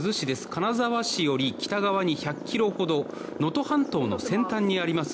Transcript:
金沢市より北側に１００ｋｍほど能登半島の先端にあります